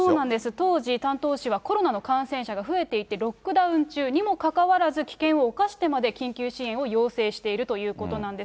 当時、丹東市はコロナの感染者が増えていて、ロックダウン中にもかかわらず、危険を冒してまで緊急支援を要請しているということなんです。